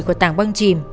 của tảng băng chìm